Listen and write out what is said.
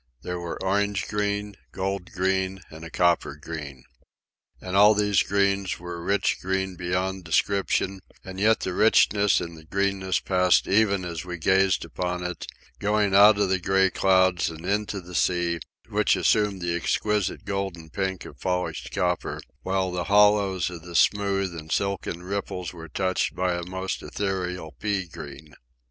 There were orange green, gold green, and a copper green. And all these greens were rich green beyond description; and yet the richness and the greenness passed even as we gazed upon it, going out of the gray clouds and into the sea, which assumed the exquisite golden pink of polished copper, while the hollows of the smooth and silken ripples were touched by a most ethereal pea green.